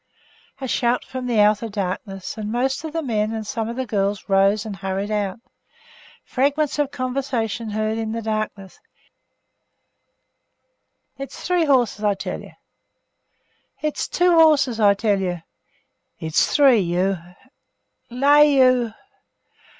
A shout from the outer darkness, and most of the men and some of the girls rose and hurried out. Fragments of conversation heard in the darkness 'It's two horses, I tell you!' 'It's three, you !' 'Lay you